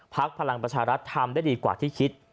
พลังประชารัฐทำได้ดีกว่าที่คิด